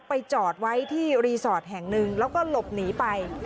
จอดไว้ที่รีสอร์ทแห่งหนึ่งแล้วก็หลบหนีไป